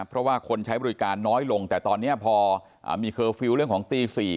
เพราะว่าคนใช้บริษัติการณ์น้อยลงแต่ตอนเนี่ยพอมีเคอร์ฟิวเรื่องของตีสี่